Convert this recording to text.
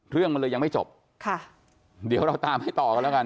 เรื่องมันเลยยังไม่จบค่ะเดี๋ยวเราตามให้ต่อกันแล้วกัน